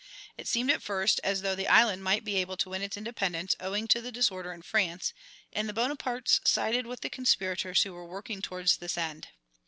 It seemed at first as though the island might be able to win its independence, owing to the disorder in France, and the Bonapartes sided with the conspirators who were working toward this end.